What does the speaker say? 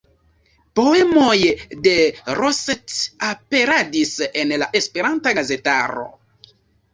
Poemoj de Rossetti aperadis en la Esperanta gazetaro.